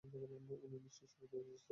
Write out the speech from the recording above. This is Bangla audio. উনি নিশ্চয়ই শোকে বিপর্যস্ত।